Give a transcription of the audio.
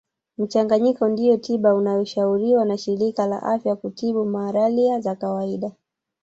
Mchanganyiko ndiyo tiba inayoshauriwa na shirika la afya kutiba malaria za kawaida